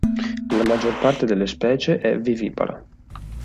La maggior parte delle specie è vivipara.